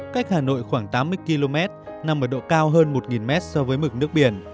cách hà nội khoảng tám mươi km nằm ở độ cao hơn một m so với mực nước biển